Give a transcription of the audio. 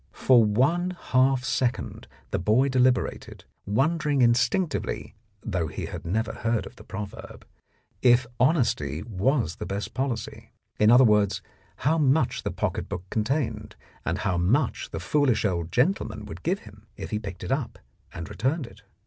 For one half second the boy deliberated, wondering instinctively (though he had never heard of the proverb) if honesty was the best policy, in other words, how much the pocket book contained, and how much the foolish old gentleman would give him if he picked it up and returned it.